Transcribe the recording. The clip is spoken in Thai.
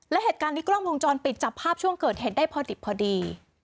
และเหตุการณ์นี้กล้องวงจรปิดจับภาพช่วงเกิดเหตุได้พอดิบพอดี